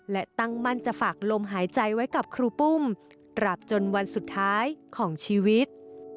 และตั้งมั่นจะฝากลมหายใจไว้กับครูปุ้มตราบจนวันสุดท้ายของชีวิต